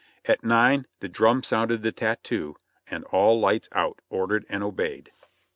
At nine the drum sounded the "Tattoo," and "All lights out!" ordered and obeyed.